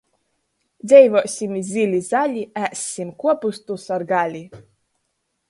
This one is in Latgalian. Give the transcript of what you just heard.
Dzeivuosim zyli zali, ēssim kuopustus ar gali!